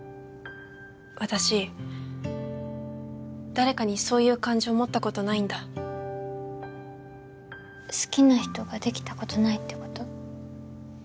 私誰かにそういう感情持ったことないんだ好きな人ができたことないってこと？